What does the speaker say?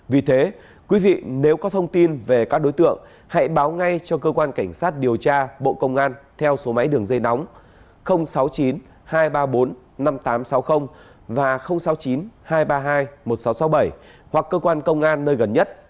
vì thế quý vị nếu có thông tin về các đối tượng hãy báo ngay cho cơ quan cảnh sát điều tra bộ công an theo số máy đường dây nóng sáu mươi chín nghìn hai trăm ba mươi bốn